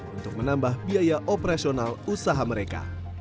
untuk menambah biaya operasional usaha mereka